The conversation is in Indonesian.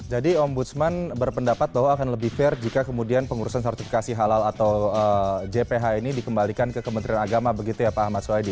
jadi om budsman berpendapat bahwa akan lebih fair jika kemudian pengurusan sertifikasi halal atau jph ini dikembalikan ke kementerian agama begitu ya pak ahmad swadi